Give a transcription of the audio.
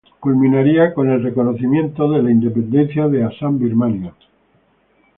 Culminaría con el reconocimiento de la independencia de Assam-Birmania.